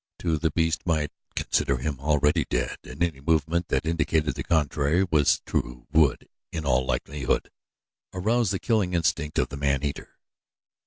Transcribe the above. Too, the beast might consider him already dead and any movement that indicated the contrary was true would, in all likelihood, arouse the killing instinct of the man eater.